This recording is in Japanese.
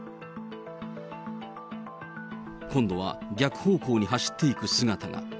今度は逆方向に走っていく姿が。